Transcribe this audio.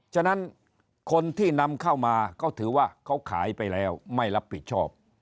ฉะนั้นคนที่นำเข้ามาก็ถือว่าเขาขายไปแล้วไม่รับผิดชอบ